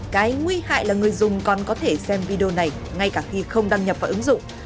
cái nguy hại là người dùng còn có thể xem video này ngay cả khi không đăng nhập vào ứng dụng